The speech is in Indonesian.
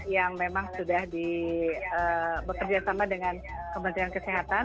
yang memang sudah bekerjasama dengan kementerian kesehatan